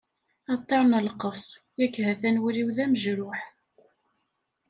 A ṭṭir n lqefṣ, yak ha-t-an wul-iw d amejruḥ.